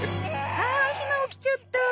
ああひま起きちゃった。